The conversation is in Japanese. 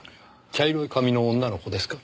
茶色い髪の女の子ですか？